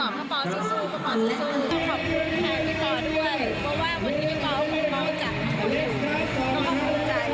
และก็ขอบคุณใจ